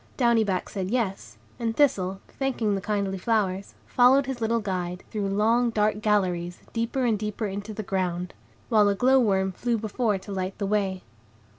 Downy Back said, "Yes," and Thistle, thanking the kindly flowers, followed his little guide, through long, dark galleries, deeper and deeper into the ground; while a glow worm flew before to light the way.